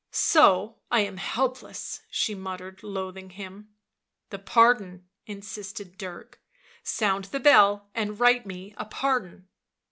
" So, I am helpless,' 7 she muttered, loathing him. "The pardon, 77 insisted Dirk; "sound the bell and write me a pardon.